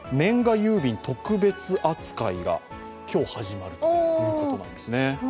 郵便特別扱いが今日始まるということなんですね。